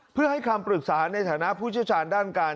เพื่อให้คำปรึกษาในฐานะผู้เชี่ยวชาญด้านการ